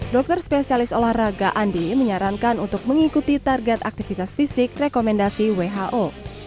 dokter spesialis olahraga andi menyarankan untuk mengikuti target aktivitas fisik rekomendasi who